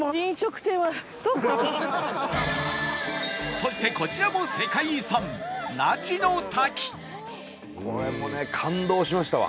そしてこちらもこれもね感動しましたわ。